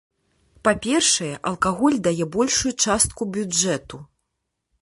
Па-першае, алкаголь дае большую частку бюджэту.